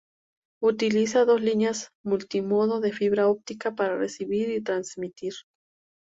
Utiliza dos líneas multimodo de fibra óptica para recibir y transmitir.